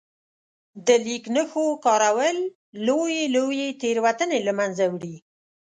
د لیک نښو کارول لويې لويې تېروتنې له منځه وړي.